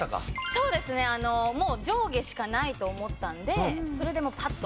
そうですねもう上下しかないと思ったんでそれでもうパッと。